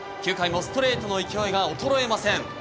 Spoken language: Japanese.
９回もストレートの勢いが衰えません。